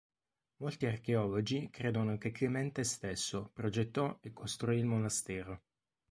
Molti archeologi credono che Clemente stesso progettò e costruì il monastero.